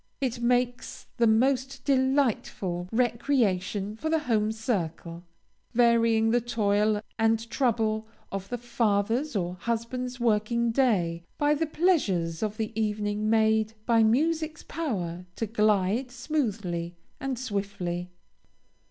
It makes the most delightful recreation for the home circle, varying the toil and trouble of the father's or husband's working day, by the pleasures of the evening made by music's power to glide smoothly and swiftly.